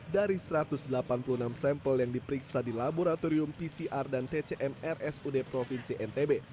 dari satu ratus delapan puluh enam sampel yang diperiksa di laboratorium pcr dan tcmr sud provinsi ntb